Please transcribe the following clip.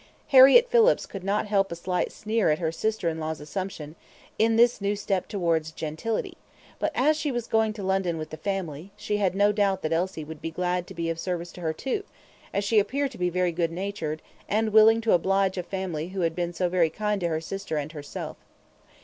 Harriett Phillips could not help a slight sneer at her sister in law's assumption in this new step towards gentility; but as she was going to London with the family, she had no doubt that Elsie would be glad to be of service to her too, as she appeared to be very good natured, and willing to oblige a family who had been so very kind to her sister and herself.